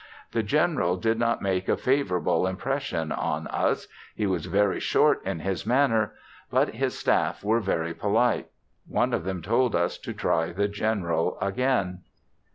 The General did not make a favorable impression on us; he was very short in his manner, but his staff were very polite. One of them told us to try the General again.